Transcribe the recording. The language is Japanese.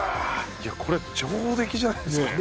いやこれ上出来じゃないですか。